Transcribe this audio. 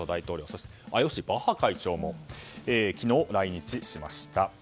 そしてＩＯＣバッハ会長も昨日来日しました。